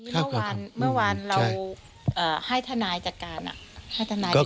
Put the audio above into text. เมื่อวานเราให้ทนายจัดการ